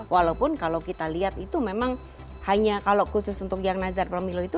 walaupun kalau kita lihat itu memang hanya kalau khusus untuk yang nazar pemilu itu